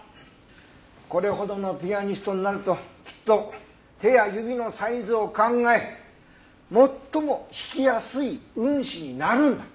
これほどのピアニストになるときっと手や指のサイズを考え最も弾きやすい運指になるんだ。